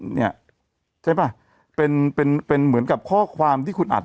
เนี่ยใช่ป่ะเป็นเป็นเหมือนกับข้อความที่คุณอัด